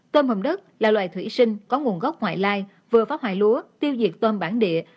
tôm hồng đất là loài thủy sinh có nguồn gốc ngoại lai vừa phá hoại lúa tiêu diệt tôm bản địa